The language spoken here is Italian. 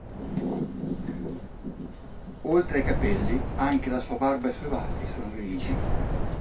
Oltre ai capelli, anche la sua barba e i suoi baffi sono grigi.